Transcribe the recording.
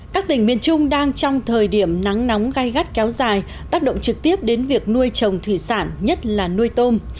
các tỉnh miền trung đang trong thời điểm nắng nóng gai gắt kéo dài tác động trực tiếp đến việc nuôi trồng thủy sản nhất là nuôi tôm